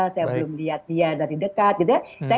saya belum lihat dia dari dekat gitu ya